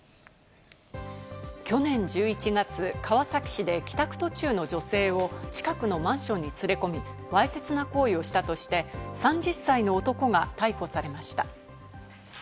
去年１１月、川崎市で帰宅途中の女性を近くのマンションに連れ込み、わいせつな行為をしたとして３０歳の男が逮捕されました。